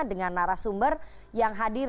dengan narasumber yang hadir